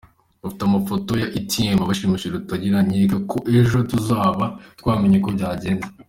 Bafite amafoto y’abashimuse Rutagungira, nkeka ko ejo tuzaba twamenye uko byagenze.